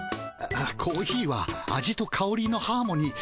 コーヒーは味とかおりのハーモニー。